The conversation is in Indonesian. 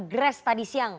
gres tadi siang